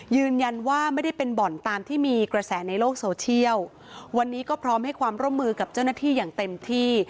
ยืนยันว่าไม่ได้เป็นบ่อนตามที่มีกระแสในโลกโซเชียลวันนี้ก็พร้อมให้ความร่วมมือกับเจ้าหน้าที่อย่างเต็มที่